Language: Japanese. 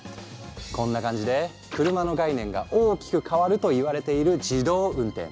こんな感じで車の概念が大きく変わるといわれている自動運転。